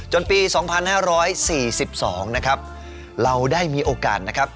จนปีสองพันห้าร้อยสี่สิบสองนะครับเราได้มีโอกาสนะครับ